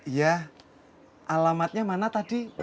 iya alamatnya mana tadi